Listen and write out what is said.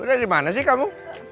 udah dimana sih kamu